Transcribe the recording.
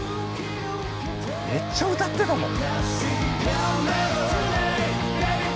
めっちゃ歌ってたもん。